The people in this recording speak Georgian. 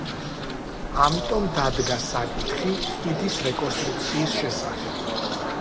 ამიტომ დადგა საკითხი ხიდის რეკონსტრუქციის შესახებ.